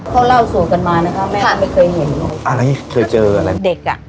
เขาเล่าสู่กันมานะคะแม่ก็ไม่เคยเห็นอะไรเคยเจออะไรเด็กอ่ะ